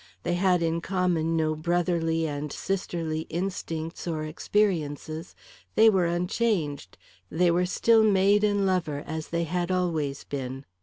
They had in common no brotherly and sisterly instincts or experiences; they were unchanged; they were still maid and lover, as they had always been.